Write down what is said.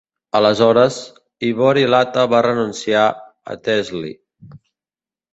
Aleshores, Ivory Latta va renunciar a Teasly.